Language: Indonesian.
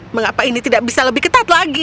mengapa ini tidak bisa lebih ketat lagi